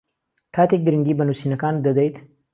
کاتێک گرنگی بە نووسینەکانت دەدەیت